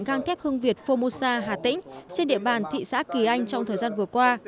găng thép hương việt phô mô sa hà tĩnh trên địa bàn thị xã kỳ anh trong thời gian vừa qua